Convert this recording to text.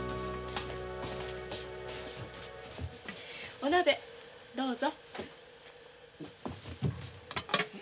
お鍋どうぞ。